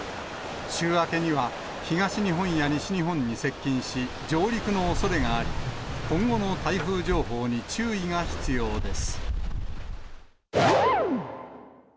週明けには東日本や西日本に接近し、上陸のおそれがあり、今後の台風情報に注意が必要です。